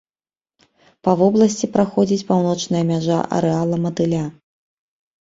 Па вобласці праходзіць паўночная мяжа арэала матыля.